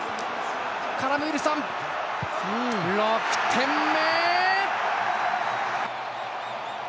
６点目！